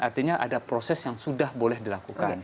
artinya ada proses yang sudah boleh dilakukan